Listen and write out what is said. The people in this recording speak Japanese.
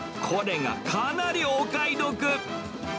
これがかなりお買い得。